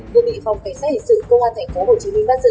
vừa bị phòng cảnh sát hình sự công an thành phố hồ chí minh bắt giữ